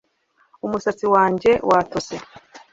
Umusatsi wanjye watose